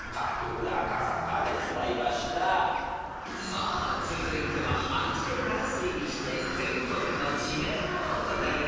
［さあ続いては判じ絵から推理して全国の地名をお答えいただきます］